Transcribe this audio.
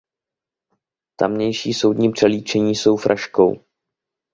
Tamější soudní přelíčení jsou fraškou.